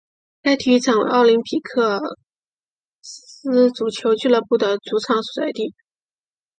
该体育场为奥林匹亚克斯足球俱乐部的主场所在地。